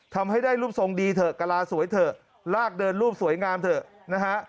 ทำให้ได้รูปทรงดีเถอะกะลาสวยเถอะลากเดินรูปสวยงามเถอะนะฮะ